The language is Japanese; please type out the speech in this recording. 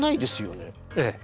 ええ。